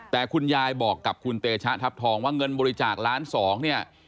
แต่คุณยายบอกกับคุณเตชะทัพทองว่าเงินบริจาคล้านสองเนี่ย